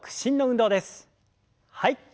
はい。